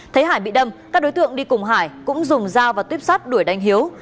thấy hải bị đâm các đối tượng đi cùng hải cũng dùng dao và tuyếp sát đuổi đánh hiếu